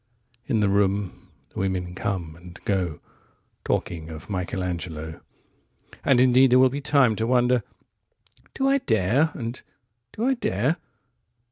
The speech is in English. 35In the room the women come and go36Talking of Michelangelo.37And indeed there will be time38To wonder, "Do I dare?" and, "Do I dare?"